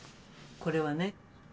これはね。